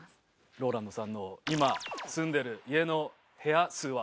ＲＯＬＡＮＤさんの今住んでいる家の部屋数は？